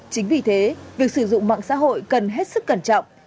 chính vì thế việc sử dụng mạng xã hội cần hết sức cẩn trọng